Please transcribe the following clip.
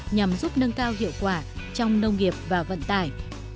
nhằm giúp nâng cao hiệu quả trong nông nghiệp và vận tải